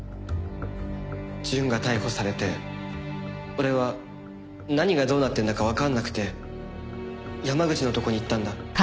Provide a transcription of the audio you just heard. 淳が逮捕されて俺は何がどうなってるんだかわかんなくて山口のとこに行ったんだ。